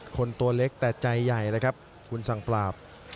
ตัวเล็กแต่ใจใหญ่เลยครับคุณสั่งปราบ